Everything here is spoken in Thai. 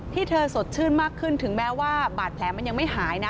ที่เธอสดชื่นมากขึ้นถึงแม้ว่าบาดแผลมันยังไม่หายนะ